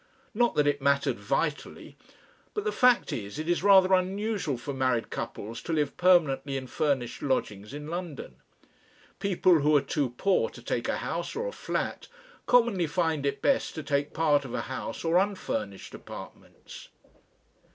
Not that it mattered vitally. But the fact is, it is rather unusual for married couples to live permanently in furnished lodgings in London. People who are too poor to take a house or a flat commonly find it best to take part of a house or unfurnished apartments.